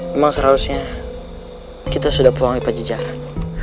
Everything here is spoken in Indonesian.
memang seharusnya kita sudah pulang ke pajejaan